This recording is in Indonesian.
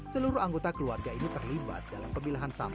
seluruh anggota keluarga ini terlibat dalam pemilahan sampah